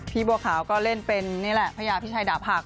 พี่บัวขาวก็เล่นเป็นนี่แหละพระยาพิชัยด่าผาก